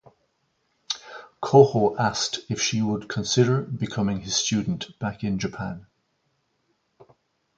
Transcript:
Koho asked if she would consider becoming his student back in Japan.